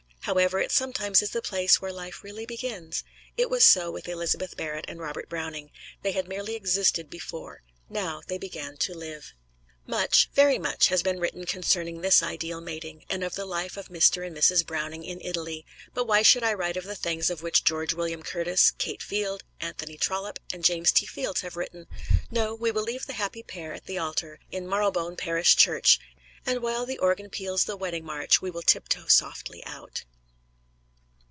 However, it sometimes is the place where life really begins. It was so with Elizabeth Barrett and Robert Browning they had merely existed before; now, they began to live. Much, very much has been written concerning this ideal mating, and of the life of Mr. and Mrs. Browning in Italy. But why should I write of the things of which George William Curtis, Kate Field, Anthony Trollope and James T. Fields have written? No, we will leave the happy pair at the altar, in Marylebone Parish Church, and while the organ peals the wedding march we will tiptoe softly out.